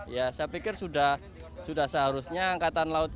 ya saya pikir sudah seharusnya angkatan laut